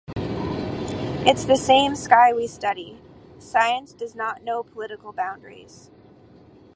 It's the same sky we study... Science does not know political boundaries.